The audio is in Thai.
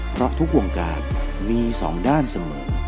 เพราะทุกวงการมี๒ด้านเสมอ